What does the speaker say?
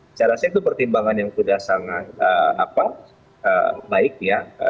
saya rasa itu pertimbangan yang sudah sangat baik ya